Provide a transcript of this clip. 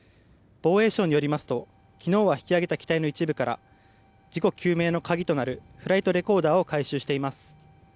防衛省によりますと昨日は引き揚げた機体の一部から事故究明の鍵となるフライトレコーダーを回収しています。